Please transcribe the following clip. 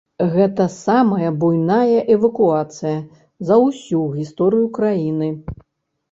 Гэта самая буйная эвакуацыя за ўсю гісторыю краіны.